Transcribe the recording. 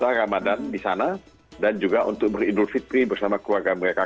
puasa ramadan di sana dan juga untuk beridul fitri bersama keluarga mereka